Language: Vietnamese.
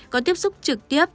có tiếp xúc trực tiếp